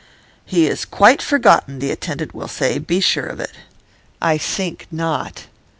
"He is quite forgotten," the attendant will say; be sure of it.' 'I think not.